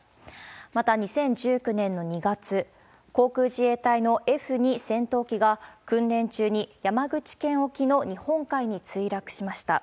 また、２０１９年の２月、航空自衛隊のＦ２戦闘機が、訓練中に山口県沖の日本海に墜落しました。